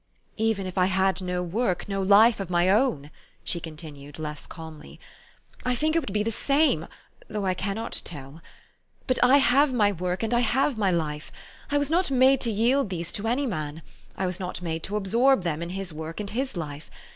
" Even if I had no work, no life, of my own," she continued less calmly, " I think it would be the same, though I cannot tell. But I have my work, and I have my life. I was not made to yield these to any man. I was not made to absorb them in his work and his life.